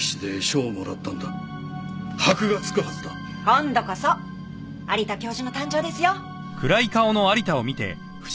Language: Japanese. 今度こそ有田教授の誕生ですよ。